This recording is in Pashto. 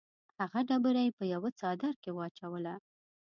هغه ډبره یې په یوه څادر کې واچوله.